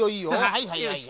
はいはいはい。